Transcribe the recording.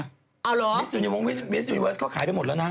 อ้าวเหรอวิสดิวนิวเวิร์สเขาขายไปหมดแล้วนะ